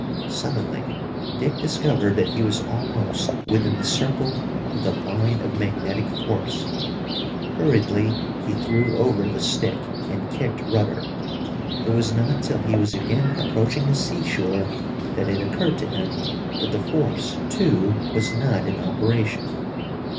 Suddenly Dick discovered that he was almost within the circle of the line of magnetic force. Hurriedly he threw over the stick and kicked rudder. It was not till he was again approaching the seashore that it occurred to him that the force, too, was not in operation.